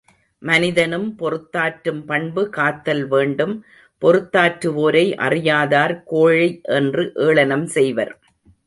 மனிதனும் பொறுத்தாற்றும் பண்பு காத்தல் வேண்டும் பொறுத்தாற்றுவோரை, அறியாதார் கோழை என்று ஏளனம் செய்வர்.